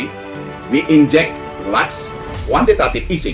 kami menginjakkan satu titik isi terakhir